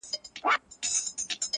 اوس خورا په خړپ رپيږي ورځ تېرېږي.